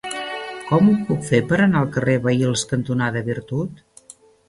Com ho puc fer per anar al carrer Vehils cantonada Virtut?